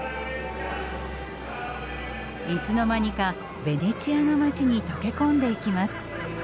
いつの間にかベネチアの街に溶け込んでいきます。